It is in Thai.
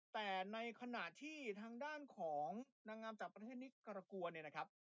แต่ในขณะที่ทางด้านของนางงามจากประเทศนิกรัวเนี่ยนะครับ